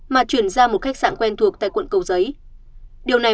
mà chuyển ra một khách sạn quen thuộc tại quận cầu giấy